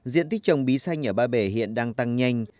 diện tích trồng bí xanh ở ba bể hiện đang tăng nhanh